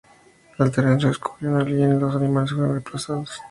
El terreno se cubrió de hollín y los animales fueron desplazados.